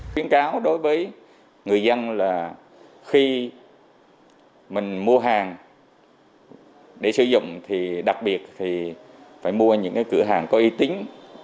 quyến cáo đối với người dân là khi mình mua hàng để sử dụng thì đặc biệt thì phải mua những cửa hàng có y tính